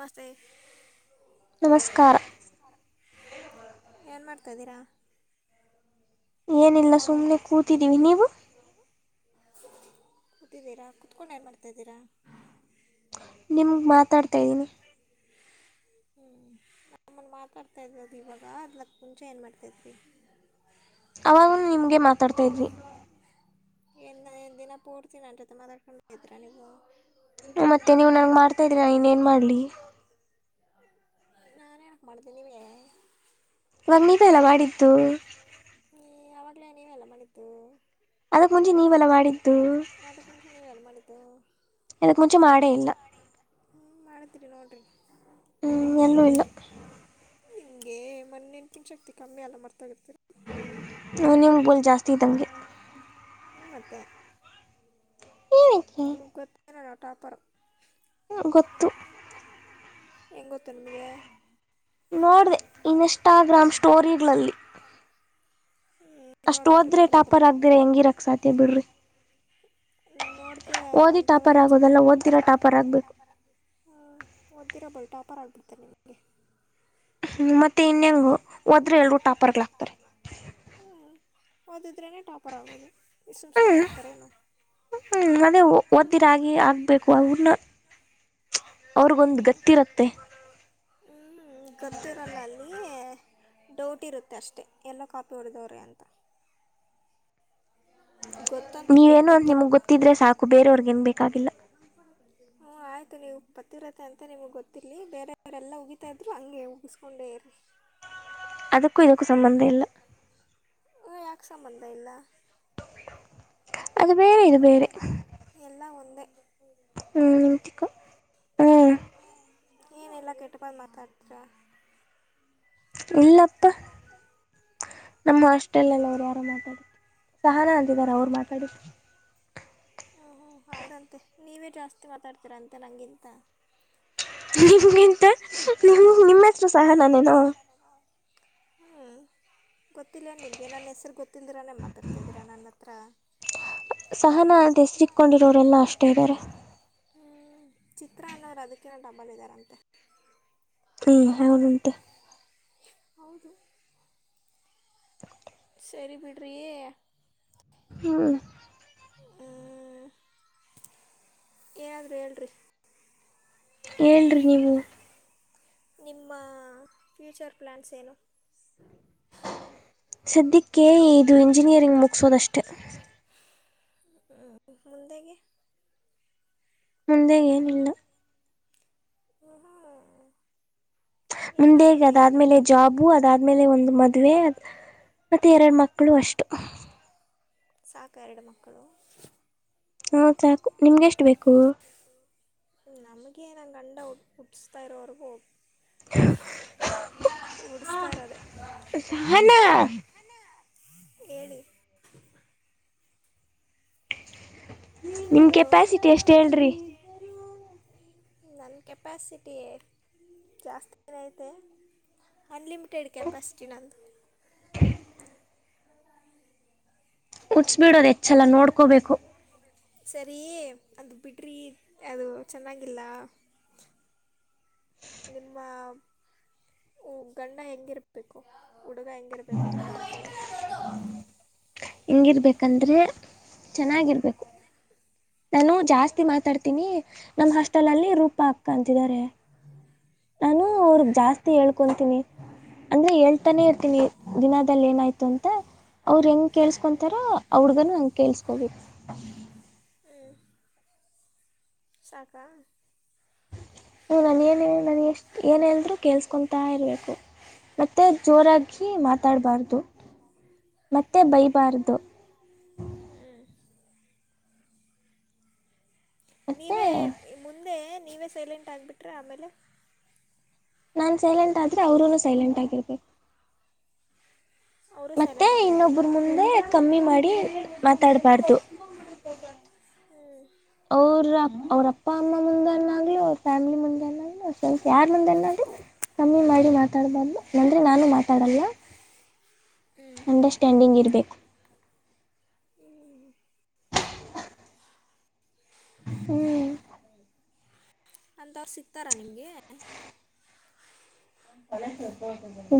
ಮಸ್ೆ ನಮಸ್ಕಾರ ಏನ್ ಮಾಡ್ತಾಿದ್ದೀರಾ ಏನಿಲ್ಲ ಸುಮ್ನೆ ಕೂತಿದ್ದೀವಿ ನೀವು ಕತಿದ್ದೀರಾ ಕುತ್ಕೊಂಡು ಏನ್ ಮಾಡ್ತಾಿದ್ದೀರಾ ನಿಮಗೆ ಮಾತಾಡ್ತಾ ಇದ್ದೀನಿ ಹ್ಮ್ ನಮ್ಮನ್ ಮಾತಾಡ್ತಾ ಇದ್ದು ಇವಾಗ ಅದ್ಲಕ್ ಮುಂಚೆ ಏನ್ ಮಾಡ್ತೈತ್ವಿ ಅವಾಗೂ ನಿಮಗೆ ಮಾತಾಡ್ತಾ ಇದ್ವಿ ನ್ನ್ ದಿನ ಪೂರ್ತೀನ ಅಂಟೊತೆ ಮಾತಾಡ್ಕೊಂಡ್ ಇದ ನೀವು ಮತ್ತೆ ನೀವ್ ನನ್ಗೆ ಮಾಡ್ತಾ ಇದರಾ ಇನ್ೇನ್ ಮಾಡ್ಲಿ ನ ಹೇಳಕ್ ಮಾಡತೀಿ ನೀವ ಇವಾಗ ನೀವೆಲ್ಲ ಮಾಡಿದ್ದು ಇಲ ನೀ ಎಲ್ಲ ಮಣಿತ್ತುು ಅದಕ್ಕ ಮುಂಚೆ ನೀವೆಲ್ಲ ಮಾಡಿದ್ದು ಅದಕ್ಕೆ ಮುಂಚೆ ನೀವೆಲ್ಲ ಮಾಡಿದ್ದು ಇದಕ್ ಮುಂಚೆ ಮಾಡೇ ಇಲ್ಲ ಹ್ಮ ಮಾಡಿದರಿ ನೋಡ್ರಿ ಹ್ಮ್ ನ್ನು ಇಲ್ಲ ಹಿಂಗೆ ಮನೆೆನ್ಪನ್ ಶಕ್ತಿ ಕಮ್ಮಿ ಎಲ್ಲ ಮರ್ತ ಇರ್ತರ ನಿಯಮಗಲ್ ಜಾಸ್ತಿ ಇದ ತಂಗೆ ಹ ಮತ್ತ ಈಏಕ್ಕೆ ನ ಟಾಪರ್ ಗೊತ್ತು ಎಂಗೊ ತರುಮಿಗೆ ನೋಡ್ರೆ ಇನ್ಸ್ಟಾಗ್ರಾಮ್ ಸ್ಟೋರಿಗಳಲ್ಲಿ ಅಷ್ಟ್ ನೋಡ್ತೀರಿ ಹೋದ್ರೆ ಬಿಡ್ರಿ ಟಾಪರ್ ಅದರಲ್ಲಿ ಆಗದ್ರೆ ಹೆಂಗಿರಕ್ ಸಾಥ ಬಿಡ್ರಿ ಓದಿ ಟಾಪರ್ ಅಂತಲ್ಲ ಚ ಆಗೋದಲ್ಲ ಓದ್ದಿರೋ ಟಾಪರ್ ಆಗಬೇಕು ಓದ್ದಿರ ಬಟ ಪರ ಆಗ್ ಬಿಡ್ತೆ ನಿಮಗೆ ಹ್ಮ ಮತ್ತೆ ಇನ್ಯಂಗ ಹೋದ್ರೆ ಎಲ್ರರು ಟಾಪರ್ಗಳಾಗಕ್ತಾರೆ ಓದಿದ್ರೆೇ ಟಾಪರ್ ಆಗೋದು ಈ ಸುಮ ಸುಮಗೆ ಹಾಕ್ತಾರೆೇನುಾ ಮದೇ ಒಓದ್ದಿರಾಗಿೆ ಆಗ್ಬೇಕು ಅವ್ರನ್ನ ಅವ್ರಗೊಂದು್ ಗತ್ತಿರತ್ತೆ ಹ್ಮ್ ಗೊತ್ತಿರಲ್ಲ ಅಲ್ಲಿ ಡೌಟ್ ಇರುತ್ತೆ ಅಷ್ಟೇ ಎಲ್ಲೋ ಕಾಪಿ ಹೊಡೆದವ್ರಿ ಅಂತ ಗೊತ್ತಂತ ನೀವೇನೋ ಗೊತ್ತು ಅಂತ ಗೊತ್ತು ನಿಮ್ಗ್ ಗೊತ್ತಿದ್ರೆ ಸಾಕು ಬೇರೆಯವರ್ಗ ನ್ ಬೇಕಾಗಿಲ್ಲ ಹ್ಮ ಆಯ್ತು ನೀವು ಬತ್ತಿರತ್ತೆ ಅಂತ ನಿಮ್ಗೆ ಗೊತ್ತಿಲಿ ಬೇರೆಯವರೆಲ್ಲ ಉಗಿತಾ ಇದ್ರು ಹಂಗೆ ಉಗಿಸ್ಕೊಂಡೇ ಇರಿ ಅದಕ್ಕೂ ಇಕ್ಕ ಸಂಬಂಧ ಇಲ್ಲ ಹ ಯಾಕೆ ಸಂಬಂಧ ಇಲ್ಲ ಅದು ಪೇರು ಇದು ಪೇರು ಮ ಹ್ಮ್ಿಕ ಹ್ಮ್ ಏನೆಲ್ಲ ಕೆಟ್ಟ ಬಂದ ಮಾತಾಡ್ತರ ಇಲ್ಲಪ್ಪ ನಮ್ಮ ಹಾಸ್ಟೆಲಲ್ಲಿ ಅವ್ರು ವಾರ ಮಾತಾಡ ಸಹಾನ ಅಂತಿದಾರ ಅವ್ರು ಮಾತಾಡಿದ ಹಂ ಹ್ ಹೌದಂತೆ ನೀವೇ ಜಾಸ್ತಿ ಮಾತಾಡ್ತೀರಂತೆ ನಗಿಂತ ನಿಮ್ಗಿಂತ ನಿಮ್ ನಿಮ್ಮ ಹತ್ರ ಸಹ ನಾನೇನು ಹ್ಞೂ ಗೊತ್ತಿಲ್ಲ ನಿಮಗೆ ನನ್ನ ಹೆಸರು ಗೊತ್ತಿಲ್ಲದಿರೇ ಮಾತಾಡ್ತಾಿದ್ದೀರಾ ನನ್ನ ಹತ್ರ ಸಹನ ಅಂತ ಹೆಸರಿಕೊಂಡಿರೋರೆಲ್ಲಾ ಅಷ್ಟೇ ಇದ್ದಾರೆ ಹ ಚಿತ್ರ ಅನ್ನೋವರು ಅದಕ್ಕಿ ಡಬ್ಬಲ್ ಇದ್ದಾರಂತೆ ಹ್ಮ್ ಹೌದು ಆಂಟಿ ಹೌದು [unintelligible] ಸರಿ ಬಿಡ್ರಯೇ ಹ್ಮ ಹ್ಮ ಹೇಳ್ರಿ ಹೇಳ್ರಿ ಹೇಳಏ್ರ ನೀವು ನಿಮ್ಮ ಫ್ಯೂಚರ್ ಪ್ಲಾನ್ಸ್ ಏನು ಸದ್ಯಕ್ಕೆ ಇದು ಇಂಜಿನಿಯರಿಂಗ್ ಮುಗಸೋದಷ್ಟೆ ಮುಂದಗೆ ಮುಂದೆಗೆ ಏನಿಲ್ಲ ಹ ಮುಂದೆ ಅದಾದ್ಮೇಲೆ ಜಾಬು ಅದಾದ್ಮೇಲೆ ಒಂದು ಮದುವೆ ಮತ್ತೆ ಎರಡು ಮಕ್ಕಳು ಅಷ್ಟು ಸಾಹಕ ಎಡು ಮಕ್ಕಳು ಹಾ ಸಾಕು ನಿಮ್ಗೆ ಎಷ್ಟ ಬೇಕು ನಮಗೆ ನನ್ ಕಂಡ ಉಟ್ಸ್ತಾ ಇರೋವರೆಗೂ [inaudible] ಓಡಿಸ್ತಾ ಇರೋದೆ ಸಹನಾ ಎಳಿ ನಿಮ್ಮ ಹಲೋ ಕೆಪಾಸಿಟಿ ಎಷ್ಟು ಹೇಳ್ರಿ ನನ್ ಕೆಪಾಸಿಟಿಯೇ ಜಾಸ್ತಿಐತೆ ಅನ್ಲಿಮಿಟ ಟೇಡ್ ಕೆಪಾಸಿಟಿ ನದು [inaudible] ಕುಚ್ಬಿಡೋದು ಹೆಚ್ಚಲ್ಲ ನೋಡ್ಕೋಬೇಕು ಸರಿ ಅದು ಬಿಡ್ರಿ ಅದು ಚೆನ್ನಾಗಿಲ್ಲ ನಿಮ್ಮ ಗಂಡ ಹೆಂಗಿರ್ಬೇಕು ಉಡುಗ ಹೆಂಗರ ಬೇ ಕೊಡ್ಡ್ ಹಿಂಗಿರ್ಬೇಕಂದ್ರೆ ಚೆನ್ನಾಗಿರ್ಬೇಕು ನಾನು ಜಾಸ್ತಿ ಮಾತಾಡ್ತೀನಿ ನಮ ಹಾಸ್ಟೆಲ್ ಅಲ್ಲಿ ರೂಪಾ ಅಕ್ಕ ಅಂತಿದ್ದಾರೆ ನಾನು ಹ್ಞೂ ಅವ್ರಗ್ ಜಾಸ್ತಿ ಹೇಳ್ಕೊಂತೀನಿ ಅಂದ್ರೆ ಹೇಳ್ತಾನೆ ಇರ್ತೀನಿ ದಿನದಲ್ಲಿ ಏನಾಯ್ತು ಅಂತ ಮತ್ತ ಅವ್ರು ಹೆಂಗೆ ಕೇಳಿಸಕೊತಾರೋ ಹಡ್ಗನು ಹಂಗೆ ಕೇಳಿಸ್ಕೋಬೇಕು ಸಾಗಾ ಹ ನನ್ ಏನ ನನ್ ಎಷ್ಟ್ ಏನಲ್ ಕೇಲ್ಸ್ಕೊಂತಾ ಇರ್ಬೇಕು ಮತ್ತೆ ಮತ್ತೆ ಜೋರಾಗಿ ಮಾತಾಡಬಾರ್ದು ಮತ್ತೆ ಬಯಬಾರ್ದು ಮತ್ತು ನೀವೇ ಮುಂದೆ ನೀವೇ ಸೈಲೆಂಟ್ ಆಗ್ಬಿಟ್ರೆ ಆಮೇಲೆ ನಾನ್ ಸೈಲೆಂಟ್ ಆದ್ರೆ ಅವ್ರೂನು ಸೈಲೆಂಟ್ ಆಗಿರ್ಬೇಕು ಅವರು ಮತ್ತೆ ಸೈಲೆಂಟ್ ಆಗಿರಬೇಕಾ ಇನ್ನೊಬ್ಬರು ಮುಂದೆ ಕಮ್ಮಿ ಮಾಡಿ ಮಾತಾಡ್ಬಾರ್ದು [inaudible] ಅವ್ರ ಅವ್ರ ಅಪ್ಪ ಅಮ್ಮ ಮುಂದೆನ್ನಾಗ್ಲಿ ಅವ್ರ ಫ್ಯಾಮಿಲಿ ಮುಂದೆನಾಗ್ಲಿ ಅವ್ರ ಸ್ವಲ್ಂತ ಯಾರ ಮುಂದೆನಾಗ್ಲಿ ಕಮ್ಮಿ ಮಾಡಿ ಮಾತಾಡ್ಬಾರ್ದು ನಂದ್ರೆ ನಾನು ಮಾತಾಡಲ್ಲ ಅಂಡರ್ಸ್ಟ್ಯಾಂಡಿಂಗ್ ಇರ್ಬೇಕು ಹ್ಮ್ ಹ್ಮ್ ಅಂತವ್ ಸಿಗ್ತಾರಾ ನಿಮ್ಗೆ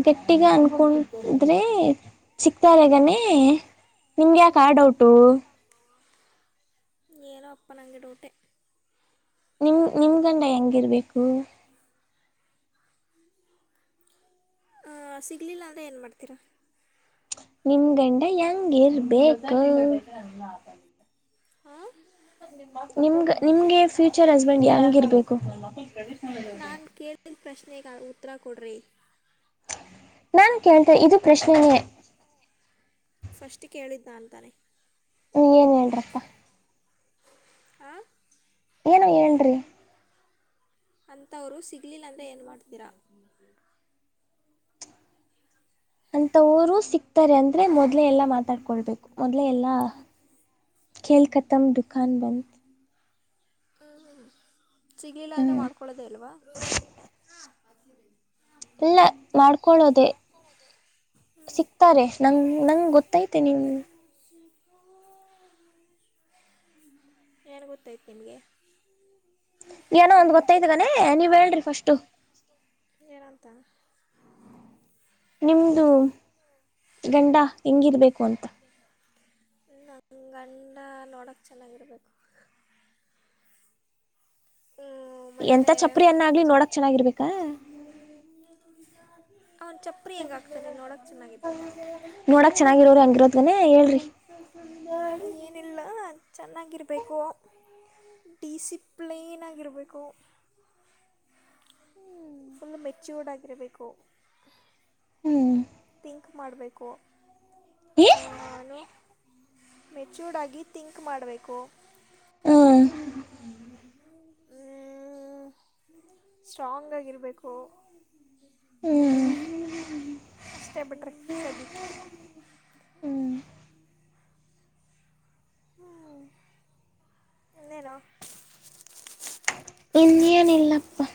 ಗಟ್ಟಗ ಅನ್ಕದ್ರಿ ಸಿಕ್ತಾರಗಾನೇ ನಿಮ್ಗೆ ಹ್ಞೂ ಯಾಕೆ ಆಡೌಟು. ಏನೋ ಅಪ್ಪ ನಂಗಡೋಊಟೆ. ನಿಮ ನಿಮ್ ಗಂಡ ಹೆಂಗಿರ್ಬೇಕು. ಸಿಗಲಿಲ್ಲ ಅಂದರೆ ಏನು ಮಾಡ್ತೀರಾ. ನಿಮ್ ಗಂಡ ಹೆಂಗಿರ್ಬೇಕು. ಹಾಂ ನಿಮ್ ನಿಮ್ಗೆ ಫ್ಯೂಚರ್ ಹಸ್ಬೆಂಡ್ ಯಂಗ ಇರ್ಬೇಕು. ನಾನು ಕೇಳಿದ ಪ್ರಶ್ನೆಗೆ ಉತ್ತರ ಕೊಡ್ರಿ. ನಾನು ಕೇಳ್ಂತ ಇದು ಪ್ರಶ್ನೆನೇ. ಫಸ್ಟ್ ಕೇಳಿದ್ದ ಅಂತಾನೆ. ನೀ ಏನ್ ಹೇಳಡರಪ್ಪ. ಹ ಏನೋ ಏನ್ರಿ ಅಂಂತವ್ರು ಸಿಗ್ಲಿಲ್ಲ ಅಂದ್ರೆ ಏನ್ ಮಾಡಾ್ತೀರ ಅಂತವರು ಸಿಕ್ತಾರೆ ಅಂದ್ರೆ ಮೊದ್ಲೆೇ ಎಲ್ಲಾ ಮಾತಾಡ್ಕೊಳ್ಬೇಕು ಮೊದ್ಲೆೇ ಎಲ್ಲಾ ಲ್ ಕತಮ ಕಾನ ಬಂದಧ ಸಿಗ್ಲಿಲ್ಲ ಅಂದ್ರೆ ಹ್ಞೂ ಮಾಡ್ಕೊಳೋದೇ ಅಲ್ವಾ ಎಲ್ಲ ಮಾಡ್ಕೊಳ್ಳೋದೆೇ ಹ್ಞೂ ಸಿಕ್ತಾರೆ ನಂಗ ನಂಗ್ ಗೊತ್ತೈತೆ ನೀವು ಏನ್ ಗೊತ್ತಾಯತ್ತು ನಿಮ್ಗೆ ಏನೋ ಒಂದ್ ಗೊತ್ತೈದ್ಗನೆೇ ನೀವ್ ಹೇಳ್ರಿ ಫಸ್ಟು ನನಂತ ನಿಮ್ದು ಗಂಡ ಹೆಂಗಿರ್ಬೇಕು ಅಂತ ನ ಗಂಡ ನೋಡೋಕ ಚೆನ್ನಾಗಿರುಬೇಕು ಎಂತ ಚಪ್ಪರಿ ಅನ್ನ ಆಗ್ಲಿ ನೋಡಕ್ ಚೆನ್ನಾಗಿರ್ಬೇಕಾ ಅವನು ಚಪ್ಪ್ರ ಹೆಂಗಾಗ್ತಾನೆ ನೋಡಕ್ ಚೆನ್ನಾಗಿತ್ತು ರ ಚೆನ್ನಾಗಿರೋರಿ ಹಂಗಿರೋದ್ನ ಹೇಳ್ರಿ ಏನಿಲ್ಲ ಚೆನ್ನಾಗಿರಬೇಕು ಡಿಸಿಪ್ಲೀನ್ ಆಗಿರಬೇಕು ಫುಲ್ ಮೆಚ್ಯೂರ್ಡ್ ಆಗಿರಬೇಕು ಹ್ಮ್ ಿಂಕ್ ಮಾಡಬೇಕು ಈ ಏನು ಮೆಚ್ಯೂರ್ಡ್ ಆಗಿ ಥಿಂಕ್ ಮಾಡಬೇಕು ಹ್ ಸ್ಟ್ರಾಂಗ್ ಆಾಗಿಿರಬೇಕು ಹ್ಮ್ ಅಷ್ಟೇ ಬಿಟ್ರೆ ಸದ್ಯಕ್ಕೆ ಹ್ಮ್ ಹ್ಮ ಅನರ ಇನ್ನಿಯನಲ್ಲಪ್ಪ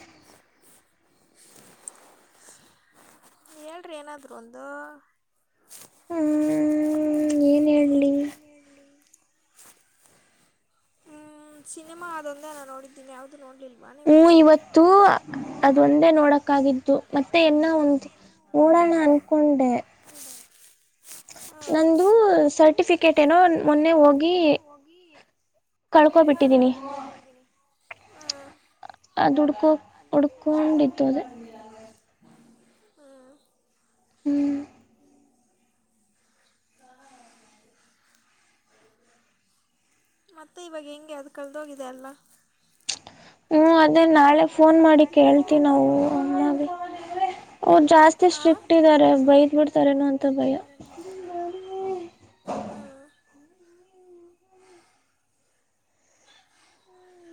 ಹೇಳ್ರಿ ಏನಾದ್ರು ಒಂದು ಹ್ಮ್ ಏನ್ ಹೇಳೇಲಿ ಹ್ಮ್ ಸಿನಿಮಾ ಅದೊಂದ ನೋಡಿದ್ದೀಿ ಯಾಾವ್ದ ನೋಡ್ಲಿಲ್ಲ ಹ್ಮ್ ಇವತ್ತು ಅದ ಒಂದೇ ನೋಡಕ್ಕಾಗಿದ್ದು ಮತ್ತೆ ಎಲ್ಲ ಒಂದು ಹಳ ಅನ್ಕೊಂಡೆ ಹೌದ ನಂದು ಸರ್ಟಿಫಿಕೇಟ್ ಏನೋ ಮೊನ್ನೆ ಹೋಗಿ ಕಳ್ಕೋಬ ಬಿಟ್ಟಿದ್ದೀನಿ ಹಾಂ ಅದು ಹುಡ್ಕೋ ಹುಡ್ಕೊಂಡತ್ತು ಅದ ಹ್ಞೂ ಹ್ಮ್ ಮತ್ತೆ ಇವಾಗ ಹೆಂಗೆ ಅದು ಕಳದೋಗಿದೆ ಅಲ್ಲ ಹ್ಮ್ ಅದೇ ನಾಳೆ ಫೋನ್ ಮಾಡಿ ಕೇಳ್ತಿ ನಾವು ಹಾಗೆ ಅವರು ಜಾಸ್ತಿ ಹಾಂ ಸ್ಟ್ರಿಕ್ಟ್ ಇದ್ದಾರೆ ಬೈದ್ ಬಿಡ್ತಾರೇನೋ ಅಂತ ಭಯ ಹ್ಮ್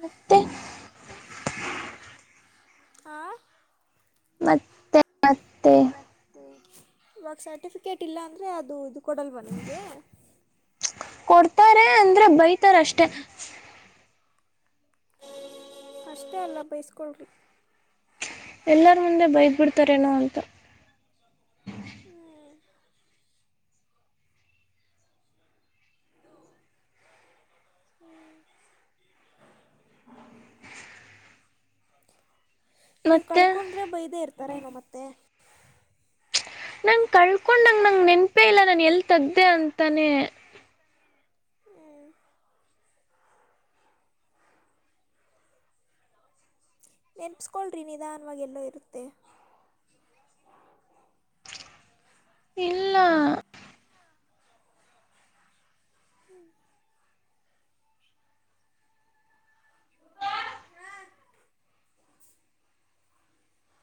ಮತ್ತೆ ಹ ಮತ್ತೆ ಮತ್ತೆ ಮ ಇವಾಗ ಸರ್ಟಿಫಿಕೇಟ್ ಇಲ್ಲ ಅಂದ್ರೆ ಅದು ಇದು ಕೊಡಲ್ವಾ ನಿಮಗೆ ಕೊಡ್ತಾರೆ ಅಂದ್ರೆ ಬೈತಾರ ಅಷ್ಟೆ ಅಷ್ಟೇ ಅಲ್ಲ ಬಯಸ್ಕೊೊಳ್ಳಿ ಎಲ್ಲಾರ ಮುಂದೆ ಬೈದ ಬಿಡ್ತಾರೇನೋ ಅಂತ ಹ [unintelligible] ನೀವ್ ಮತ್ತೆ ಕಳ್ಕೊಂಡ್ರೆ ಬೈದೆೇ ಇರ್ತಾರ ನೊ ಮತ್ತೆ ನಂಂಗ ಕಳ್ಕೊಂಡಂಗ ನಂಗ ನೆನ್ಪೆ ಇಲ್ಲ ನಾನ ಎಲ್ ತದ್ದೆ ಅಂತಾನೆ ನೆನಪಸ್್ಕೊಳ್ರಿ ನಿಧ ಅನ್ವಾಗೆಲ್ಲೋ ಇರುತ್ತೆ ಇಲ್ಲ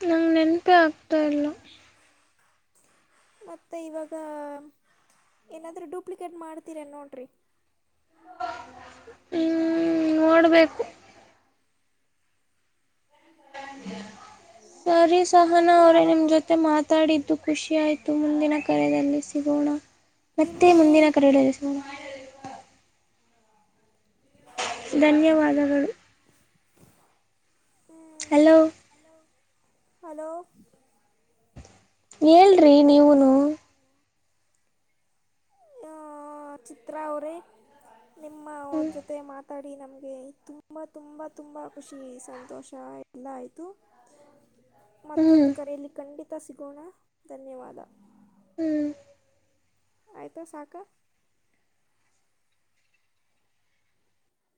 ನಂ ನೆನಪೇ ಆಗ್ತಾ ಇಲ್ಲ ಮ ಇವಾಗ ಏನಾದ್ರೂ ಡೂಪ್ಲಿಕೇಟ್ ಮಾಡ್ತೀರ ನೋಡ್ರಿ ಹ್ಮ್ ನೋಡ್ಬೇಕು ಹ ಸರಿ ಸಹನ ಮತ್ತೆ ಅವ್ರೇ ನಿಮ್ ಯಾವಾಗೋ ಜೊತೆ ಮಾತಾಡಿದ್ದು ಖುಷಿ ಆಯ್ತು ಮುಂದಿನ ಕರೆದಲ್ಲಿ ಸಿಗೋಣ ಮತ್ತೆ ಇರ್ರಿ ಮುಂದಿನ ಕರಡ ಸಿಗೋಣ ಹ್ಮ ಧನ್ಯವಾದಗಳು ಹಲೋ ಹಲೋ ಹೇಳಏ್ರಿ ನೀವುನು ಆ ಚಿತ್ರ ಅವರೇ ನಿಮ್ಮ ಅವ್ರ ಹ್ಞೂ ಜೊತೆ ಮಾತಾಡಿ ನಮ್ಗೆ ತುಂಬಾ ತುಂಬಾ ತುಂಬಾ ಖುಷಿ ಸಂತೋಷ ಎಲ್ಲ ಆಯ್ತು ಹ್ಞೂ ಮತ್ತೊಂದು ಕರೆಯಲ್ಲಿ ಖಂಡಿತ ಸಿಗೋಣ ಧನ್ಯವಾದ ಹ್ಮ್ ಆಯ್ತಾ ಸಾಕ